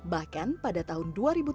bahkan pada tahun dua ribu tiga puluh